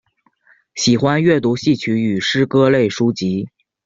喜欢阅读戏曲与诗歌类书籍。